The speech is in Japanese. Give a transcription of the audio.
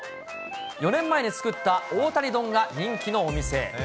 ４年前に作った大谷丼が人気のお店。